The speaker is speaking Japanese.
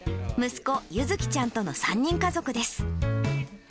息子、唯月ちゃんとの３人家族です。